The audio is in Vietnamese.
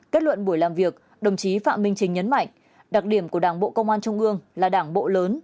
kết luận buổi làm việc đồng chí phạm minh chính nhấn mạnh đặc điểm của đảng bộ công an trung ương là đảng bộ lớn